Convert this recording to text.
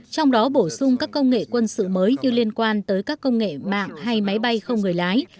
trong đó bổ sung các công nghệ quân sự mới như liên quan tới các công nghệ mạng hay máy bay không người lái